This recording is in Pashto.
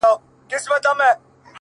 هو زه پوهېږمه. خیر دی یو بل چم وکه.